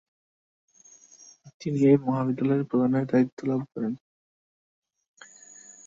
তিনি এই মহাবিদ্যালয়ের প্রধানের দায়িত্ব লাভ করেন।